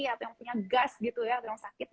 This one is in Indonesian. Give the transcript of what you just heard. atau yang punya gas gitu ya atau yang sakit